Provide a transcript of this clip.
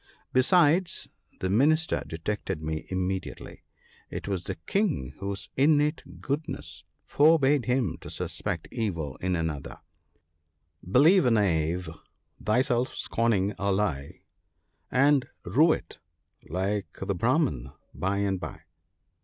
Besides, the Minister detected me immediately. It was the King whose innate goodness forbade him to suspect evil in another :—" Believe a knave, thyself scorning a lie, And rue it, like the Brahman, by and by."